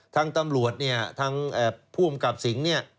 ทางตำรวจเนี่ยทางผู้อำกับสิงห์เนี่ย